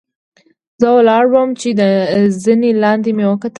زۀ ولاړ ووم چې د زنې لاندې مې وکتل